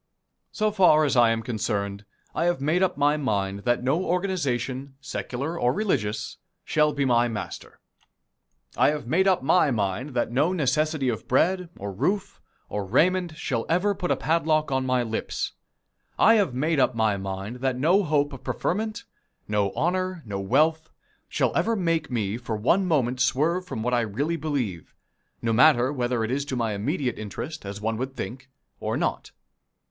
So far as I am concerned, I have made up my mind that no organization, secular or religious, shall be my master. I have made up my mind that no necessity of bread, or roof, or raiment shall ever put a padlock on my lips. I have made up my mind that no hope of preferment, no honor, no wealth, shall ever make me for one moment swerve from what I really believe, no matter whether it is to my immediate interest, as one would think, or not.